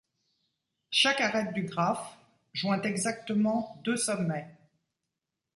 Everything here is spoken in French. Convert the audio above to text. Chaque arête du graphe joint exactement deux sommets.